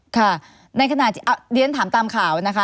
ค่ะในขณะที่อ้าวเดี๋ยวฉันถามตามข่าวนะคะ